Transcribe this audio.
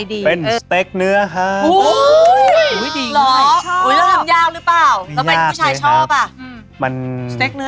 สเต๊กเนื้อนี่หมักอะไรบ้าง